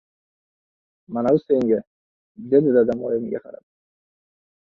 — Manavi senga! — dedi dadam oyimga qarab.